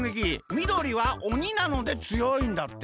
みどりはおになのでつよい」んだって。